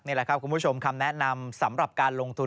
นี่แหละครับคุณผู้ชมคำแนะนำสำหรับการลงทุน